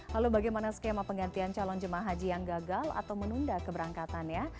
lalu bagaimana skema penggantian calon jemaah haji yang gagal atau menunda keberangkatannya